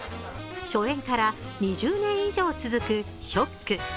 初演から２０年以上続く「ＳＨＯＣＫ」。